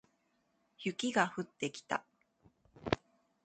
雪が降ってきた